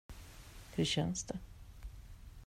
Hur känns det?